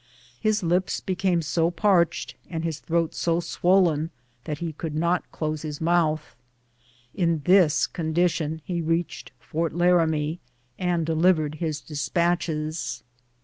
His lips became so parched and his throat so swollen that he could not close his mouth. In this condition he reached Fort Laramie and delivered his despatches.